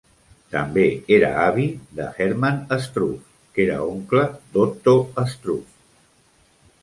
També era avi de Hermann Struve, que era oncle d'Otto Struve.